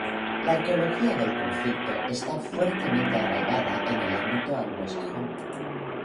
La arqueología del conflicto está fuertemente arraigada en el ámbito anglosajón.